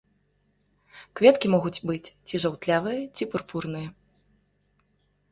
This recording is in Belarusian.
Кветкі могуць быць ці жаўтлявыя, ці пурпурныя.